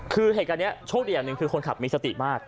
คือเหตุการณ์นี้โชคดีอย่างหนึ่งคือคนขับมีสติมาก